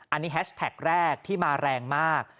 อันนี้แฮชแท็กแรกที่มาแรงมาก